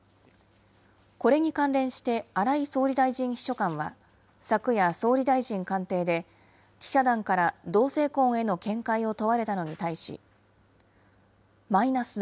これに関連して荒井総理大臣秘書官は昨夜、総理大臣官邸で、記者団から同性婚への見解を問われたのに対し、マイナスだ。